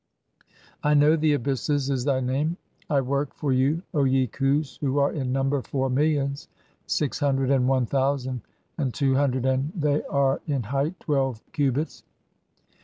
'I know the abysses' is thy name. [I] work "for [you], O ye (7) Kims, who are in number [four] millions, "[six] hundred and one thousand, and two hundred, and they "are [in height] twelve cubits.